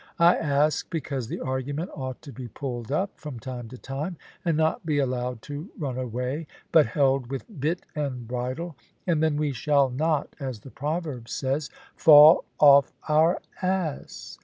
I ask, because the argument ought to be pulled up from time to time, and not be allowed to run away, but held with bit and bridle, and then we shall not, as the proverb says, fall off our ass.